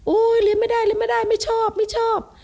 เรียนไม่ได้เรียนไม่ได้ไม่ชอบไม่ชอบ